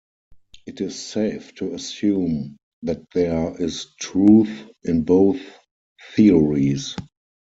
It is safe to assume that there is truth in both theories.